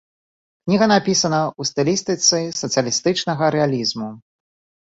Кніга напісана ў стылістыцы сацыялістычнага рэалізму.